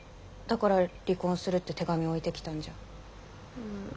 だから「離婚する」って手紙を置いてきたんじゃん。